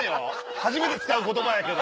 初めて使う言葉やけど。